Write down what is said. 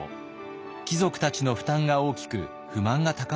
貴族たちの負担が大きく不満が高まっていました。